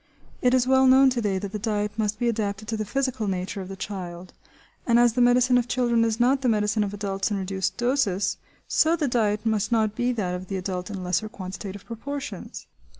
It is well known to day that the diet must be adapted to the physical nature of the child; and as the medicine of children is not the medicine of adults in reduced doses, so the diet must not be that of the adult in lesser quantitative proportions.